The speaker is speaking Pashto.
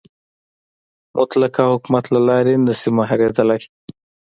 مطلقه حکومت له لارې نه شي مهارېدلی.